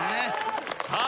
さあ。